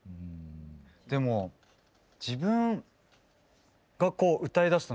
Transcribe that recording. でも自分がこう歌いだすと